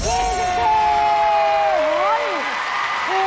เท่าที่